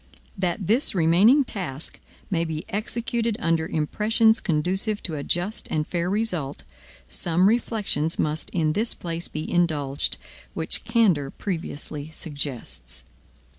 That this remaining task may be executed under impressions conducive to a just and fair result, some reflections must in this place be indulged, which candor previously suggests.